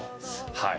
はい。